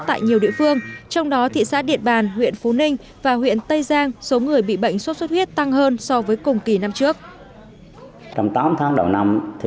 tại nhiều địa phương trong đó thị xã điện bàn huyện tây giang số người bị bệnh sốt xuất huyết lại bùng phát